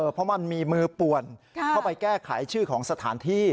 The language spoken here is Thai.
เพราะมันมีมือป่วนเข้าไปแก้ไขชื่อของสถานที่